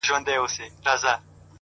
د تورو سترگو وه سورخۍ ته مي _